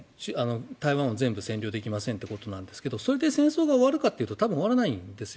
台湾を全部占領できませんということなんですがそれで戦争が終わるかというと多分終わらないんですよ。